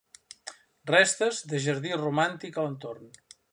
Restes de jardí romàntic a l'entorn.